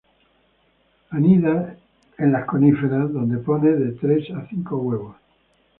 Anida en las coníferas, donde pone de tres a cinco huevos.